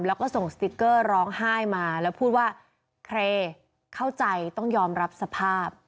แล้วก็ส่งสติ๊กเกอร์ร้องไห้มาแล้วพูดว่าเครเข้าใจต้องยอมรับสภาพ